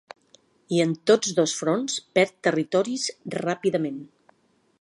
I en tots dos fronts perd territoris ràpidament.